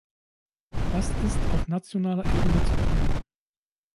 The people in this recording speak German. Was ist auf nationaler Ebene zu tun?